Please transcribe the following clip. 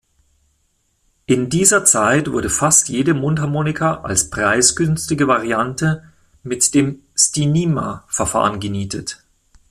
In dieser Zeit wurde fast jede Mundharmonika als preisgünstige Variante mit dem Stinima-Verfahren genietet.